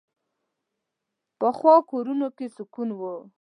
پخو کورونو کې سکون وي